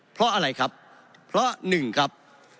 เพราะอะไรครับเพราะ๑ครับ